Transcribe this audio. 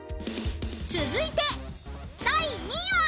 ［続いて第２位は？］